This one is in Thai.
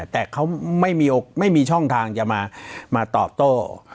แต่เขาไม่มีช่องทางจะมาตอบโต้